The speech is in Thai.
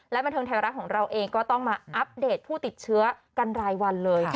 บันเทิงไทยรัฐของเราเองก็ต้องมาอัปเดตผู้ติดเชื้อกันรายวันเลย